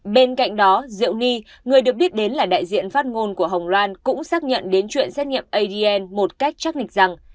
bên cạnh đó diệu ni người được biết đến là đại diện phát ngôn của hồng loan cũng xác nhận đến chuyện xét nghiệm adn một cách chắc nịch rằng